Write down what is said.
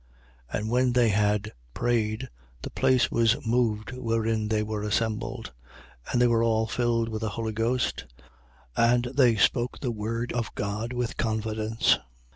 4:31. And when they had prayed, the place was moved wherein they were assembled: and they were all filled with the Holy Ghost: and they spoke the word of God with confidence.